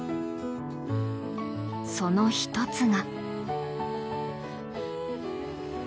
その一つが。